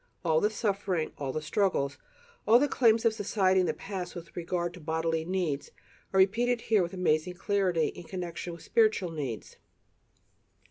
All the suffering, all the struggles, all the claims of society in the past with regard to bodily needs are repeated here with amazing clarity in connection with spiritual needs.